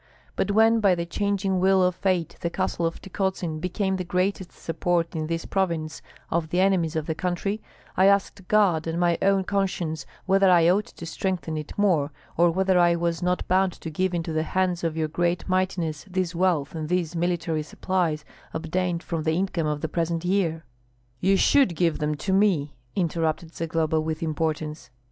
But when by the changing wheel of fate the castle of Tykotsin became the greatest support in this province of the enemies of the country, I asked God and my own conscience whether I ought to strengthen it more, or whether I was not bound to give into the hands of your great mightiness this wealth and these military supplies obtained from the income of the present year." "You should give them to me!" interrupted Zagloba, with importance.